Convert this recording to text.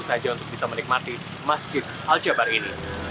saja untuk bisa menikmati masjid al jabar ini